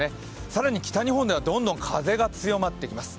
更に北日本ではどんどん風が強まってきます。